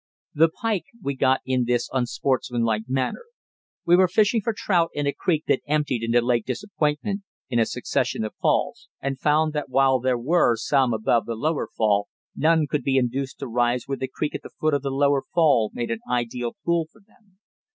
The pike we got in this unsportsmanlike manner: We were fishing for trout in a creek that emptied into Lake Disappointment in a succession of falls, and found that while there were some above the lower fall, none could be induced to rise where the creek at the foot of the lower fall made an ideal pool for them.